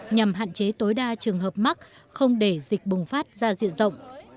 nhằm hạn chế tối đa trường hợp mắc không để dịch bùng phát ra diện rộng